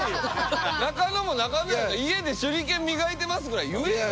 中野も中野や家で手裏剣磨いてますくらい言えよ。